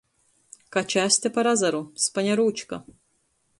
Kača aste par azaru. Spaņa rūčka.